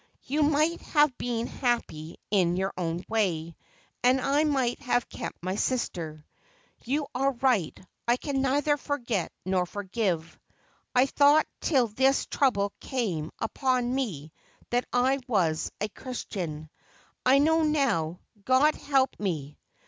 You might have been happy in your own way, and I might have kept my sister. You are right — I can neither forget nor forgive. I thought till this trouble came upon me that I was a Christian ; I know now, God help me